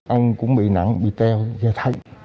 ông cũng bị nặng bị teo và thay